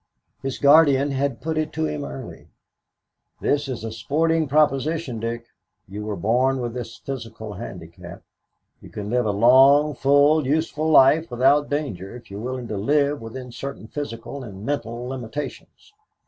His guardian had put it to him early: "This is a sporting proposition, Dick; you were born with this physical handicap. You can live a long, full, useful life without danger if you are willing to live within certain physical and mental limitations.